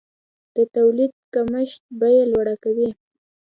د تولید کمښت بیه لوړه کوي.